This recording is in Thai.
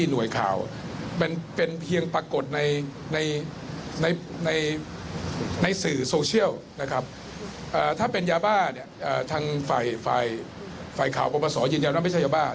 ในสื่อโซเชียลนะครับถ้าเป็นยาบ้าเนี่ยทางฝ่ายข่าวปศยังไม่ใช่ยาบ้า